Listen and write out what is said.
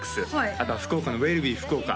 あとは福岡のウェルビー福岡